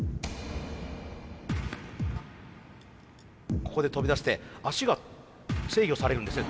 ここで飛び出して足が制御されるんですね。